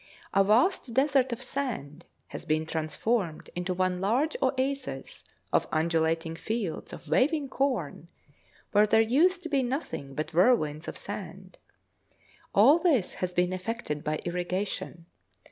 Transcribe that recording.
A vast desert of sand has been transformed into one large oasis of undulating fields of waving corn, where there used to be nothing but whirlwinds of sand. All this has been effected by irrigation.